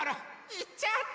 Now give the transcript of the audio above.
いっちゃった！